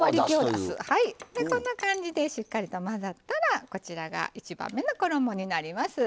こんな感じでしっかりと混ざったらこちらが１番目の衣になります。